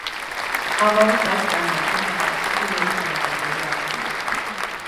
ამავე წელს გაიმართა ქვეყანაში პირველი დემოკრატიული არჩევნები.